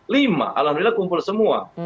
lima alhamdulillah kumpul semua